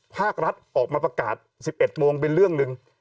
ภาครัฐออกมาประกาศ๑๑โมงเป็นเรื่องหนึ่ง